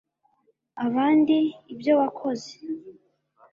abandi ibyo wakoze